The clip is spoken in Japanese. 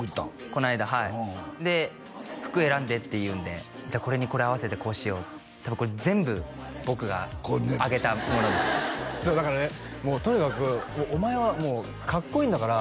この間はいで「服選んで」って言うんで「じゃあこれにこれ合わせてこうしよう」って多分これ全部僕があげたものですだからねもうとにかく「お前はかっこいいんだから」